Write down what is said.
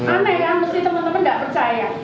aneh kan pasti teman teman nggak percaya